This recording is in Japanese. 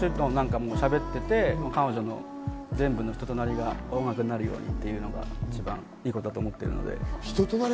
しゃべっていて、彼女の全部の人となりが音楽になるようにというのが一番いいことだと思っているので。